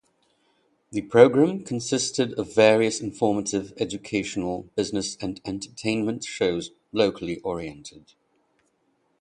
The program consisted of various informative, educational, business and entertainment shows locally oriented.